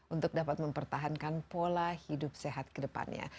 untuk dapat mempertahankan pola hidup sehat kedepannya